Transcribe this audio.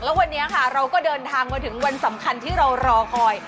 แล้ววันนี้ค่ะเราก็เดินทางมาถึงวันสำคัญที่เรารอคอย